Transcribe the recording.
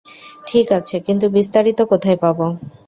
ঠিক আছে, কিন্তু বিস্তারিত কোথায় পাবো?